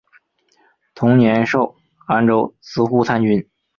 同年授澶州司户参军。